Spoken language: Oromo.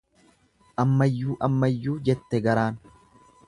Ammayyuu ammayyuu jette garaan.